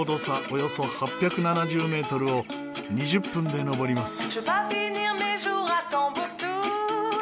およそ８７０メートルを２０分で登ります。